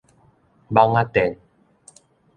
蠓仔電